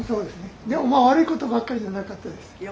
でもまあ悪いことばっかりじゃなかったです。